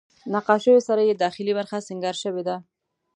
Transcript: نقاشیو سره یې داخلي برخه سینګار شوې ده.